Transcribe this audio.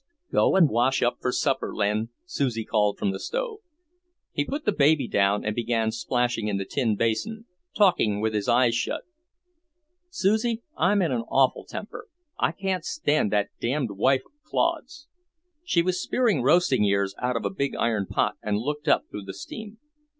"Go and wash up for supper, Len," Susie called from the stove. He put down the baby and began splashing in the tin basin, talking with his eyes shut. "Susie, I'm in an awful temper. I can't stand that damned wife of Claude's!" She was spearing roasting ears out of a big iron pot and looked up through the steam.